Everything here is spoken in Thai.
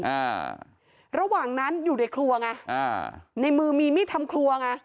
อ่าระหว่างนั้นอยู่ในครัวไงอ่าในมือมีมีดทำครัวไง